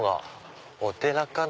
お寺かな？